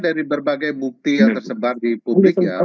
jadi berbagai bukti yang tersebar di publik ya